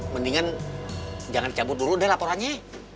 mendingan jangan cabut dulu deh laporannya